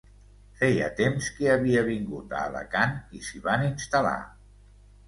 Feia temps que havia vingut a Alacant i s’hi van instal·lar.